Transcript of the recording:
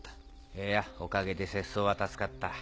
いやおかげで拙僧は助かった。